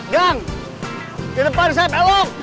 gang di depan saya peluk